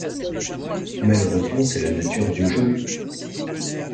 Malheureusement c’est la nature du jeu!